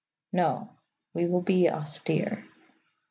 No, we will be austere.